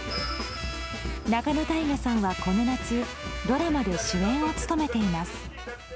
仲野太賀さんは、この夏ドラマで主演を務めています。